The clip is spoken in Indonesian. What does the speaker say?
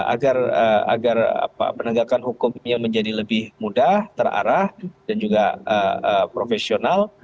agar penegakan hukumnya menjadi lebih mudah terarah dan juga profesional